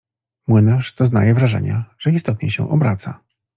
Młynarz doznaje wrażenia, że istotnie się obraca.